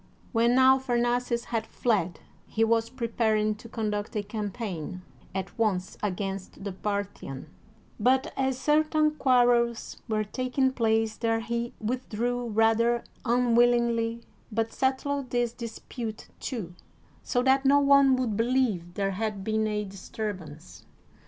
When now Pharnaces had fled he was preparing to con duct a campaign at once against the Parthian, but as certain quarrels were taking place there he withdrew rather unwillingly, but settled this dispute, too, so that no one would believe there had been a disturbance.